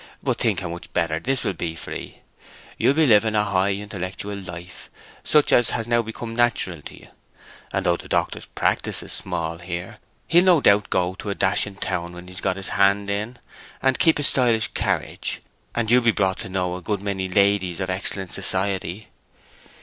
But think how much better this will be for 'ee. You'll be living a high intellectual life, such as has now become natural to you; and though the doctor's practice is small here, he'll no doubt go to a dashing town when he's got his hand in, and keep a stylish carriage, and you'll be brought to know a good many ladies of excellent society.